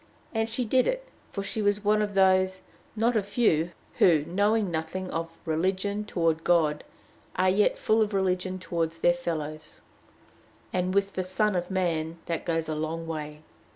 And she did it; for she was one of those, not a few, who, knowing nothing of religion toward God, are yet full of religion toward their fellows, and with the Son of Man that goes a long way.